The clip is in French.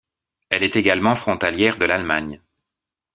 Elle est également frontalière de l'Allemagne.